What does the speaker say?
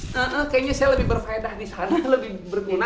kayaknya saya lebih berfaedah disana lebih berguna